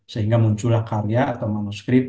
sehingga muncullah karya atau manuskrip